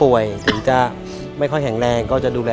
รายการต่อไปนี้เป็นรายการทั่วไปสามารถรับชมได้ทุกวัย